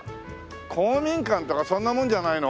公民館とかそんなものじゃないの？